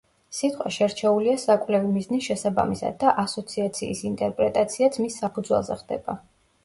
სიტყვა შერჩეულია საკვლევი მიზნის შესაბამისად და „ასოციაციის“ ინტერპრეტაციაც მის საფუძველზე ხდება.